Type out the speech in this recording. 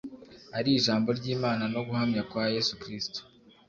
ari ijambo ry’Imana no guhamya kwa Yesu Kristo.